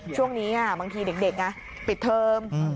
ช่วงนี้บางทีเด็กปิดเทอม